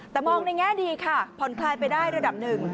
แต่มองในแง่ดีค่ะผ่อนคลายไปได้ระดับหนึ่ง